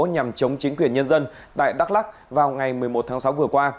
nhằm chống chính quyền nhân dân tại đắk lắc vào ngày một mươi một tháng sáu vừa qua